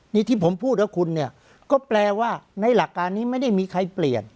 นี่ที่ผมพูดกับคุณเนี่ยก็แปลว่าในหลักการนี้ไม่ได้มีใครเปลี่ยน